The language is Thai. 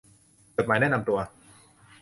จดหมายแนะนำตัว